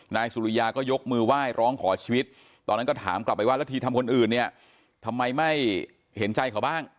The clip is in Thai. นายสุริยาก็ยกมือไหว้ร้องขอชีวิตตอนนั้นก็ถามกลับไปว่าแล้วทีทำคนอื่นเนี่ยทำไมไม่เห็นใจเขาบ้าง